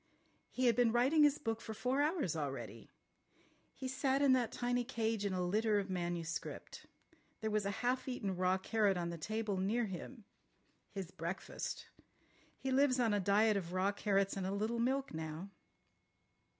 He had been writing his book for four hours already. He sat in that tiny cage in a litter of manuscript. There was a half eaten raw carrot on the table near him. His breakfast. He lives on a diet of raw carrots and a little milk now."